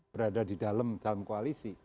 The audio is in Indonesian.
berada di dalam koalisi